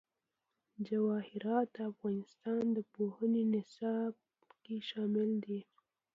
جواهرات د افغانستان د پوهنې نصاب کې شامل دي.